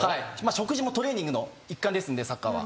食事もトレーニングの一環ですのでサッカーは。